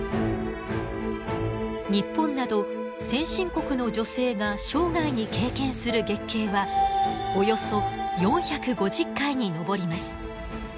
日本など先進国の女性が生涯に経験する月経はおよそ４５０回に上ります。